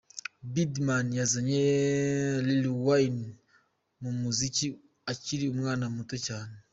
Birdman yazanye Lil Wayne mu muziki akiri umwana muto cyane.